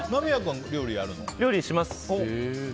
料理します。